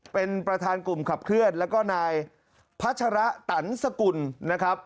เป็นประธานกลุ่มขับเคลื่อนแล้วก็นายพัชระตันสกุลนะครับ